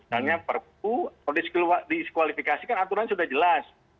misalnya pkpu diskualifikasi kan aturan sudah jelas